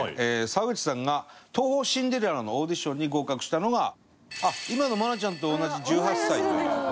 沢口さんが東宝シンデレラのオーディションに合格したのがあっ今の愛菜ちゃんと同じ１８歳という。